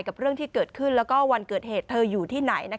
กับเรื่องที่เกิดขึ้นแล้วก็วันเกิดเหตุเธออยู่ที่ไหน